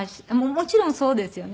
もちろんそうですよね。